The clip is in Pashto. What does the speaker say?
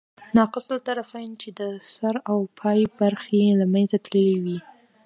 ناقص الطرفین، چي د سر او پای برخي ئې له منځه تللي يي.